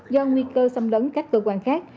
do nguy cơ xâm lấn các cơ quan khác